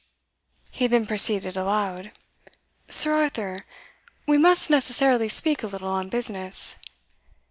He then proceeded aloud "Sir Arthur, we must necessarily speak a little on business."